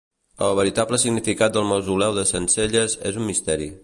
El veritable significat del mausoleu de Centcelles és un misteri.